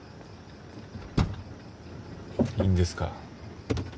いいんですか？